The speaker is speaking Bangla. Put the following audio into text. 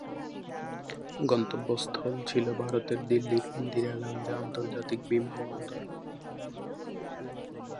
গন্তব্যস্থল ছিল ভারতের দিল্লীর ইন্দিরা গান্ধী আন্তর্জাতিক বিমানবন্দর।